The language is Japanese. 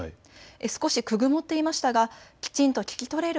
少しくぐもっていましたがきちんと聞き取れる